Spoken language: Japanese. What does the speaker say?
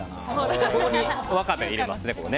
ここにワカメを入れます。